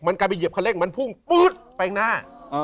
มันกันไปเหยียบข้างเล็กมันพุ่งปุ๊บไปหน้า